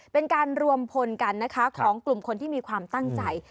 เป็นการรวมพลกันนะคะของกลุ่มคนที่มีความตั้งใจ